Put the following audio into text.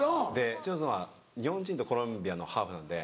うちの妻日本人とコロンビアのハーフなんで。